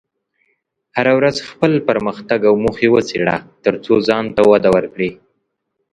هره ورځ خپل پرمختګ او موخې وڅېړه، ترڅو ځان ته وده ورکړې.